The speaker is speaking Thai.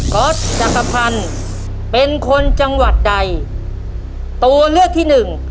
ก๊อตจักรพันธ์เป็นคนจังหวัดใดตัวเลือกที่หนึ่ง